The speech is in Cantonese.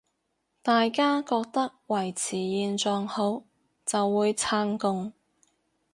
大家覺得維持現狀好，就會撐共